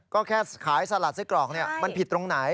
ก็แค่ขายสลัดไส้กรอกมันผิดตรงไหน